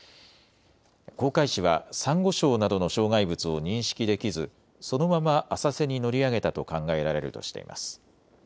航海士はさんご礁などの障害物を認識できず、そのまま浅瀬に乗り上げたと考えられるとしています。